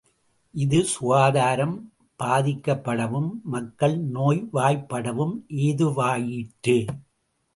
இது சுகாதாரம் பாதிக்கப்படவும் மக்கள் நோய்வாய்ப்படவும் ஏதுவாயிற்று.